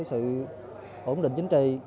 sự ổn định chính trị